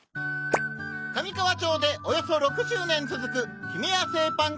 上川町でおよそ６０年続く『ひめや製パン菓子舗』！